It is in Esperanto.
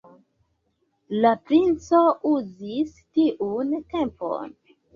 La princo uzis tiun tempon.